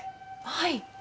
はい。